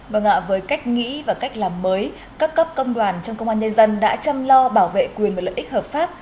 vâng ạ với cách nghĩ và cách làm mới các cấp công đoàn trong công an nhân dân đã chăm lo bảo vệ quyền và lợi ích hợp pháp